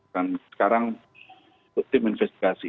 dan sekarang tim investigasi